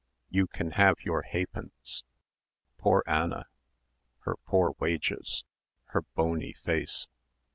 "You can have your ha'pence!" Poor Anna. Her poor wages. Her bony face....